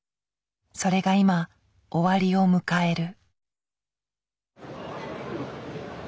それが今終わりを迎える。